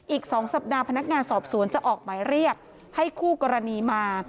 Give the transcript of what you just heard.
อีก๒สัปดาห์พนักงานสอบสวนจะออกหมายเรียกให้คู่กรณีมา